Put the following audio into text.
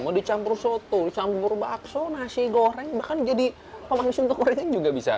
mau dicampur soto dicampur bakso nasi goreng bahkan jadi pemanggis untuk goreng juga bisa